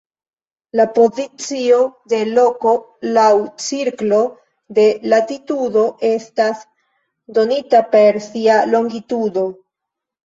La pozicio de loko laŭ cirklo de latitudo estas donita per sia longitudo.